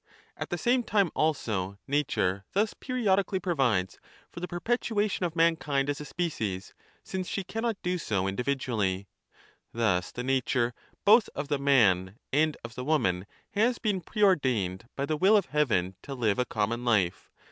At the same time also nature thus periodically provides for the perpetuation of mankind as a species, since 25 she cannot do so individually. Thus the nature both of the man and of the woman has been preordained by the will of heaven to live a common life.